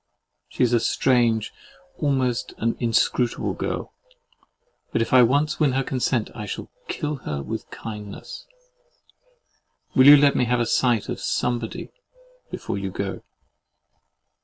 She's a strange, almost an inscrutable girl: but if I once win her consent, I shall kill her with kindness.—Will you let me have a sight of SOMEBODY before you go?